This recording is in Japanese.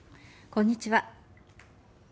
こんにちは。